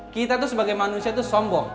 kita tuh sebagai manusia itu sombong